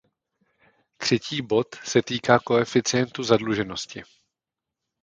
Třetí bod se týká koeficientu zadluženosti.